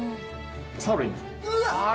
サーロインです。